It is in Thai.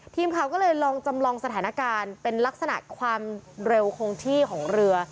ทีมข่าวก็เลยลองจำลองสถานการณ์เป็นลักษณะความเร็วของที่ของเรือ